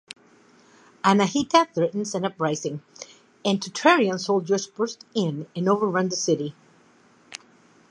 Anahita threatens an uprising, and Touranian soldiers burst in and overrun the city.